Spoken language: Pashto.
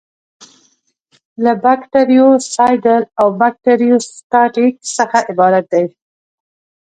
له بکټریوسایډل او بکټریوسټاټیک څخه عبارت دي.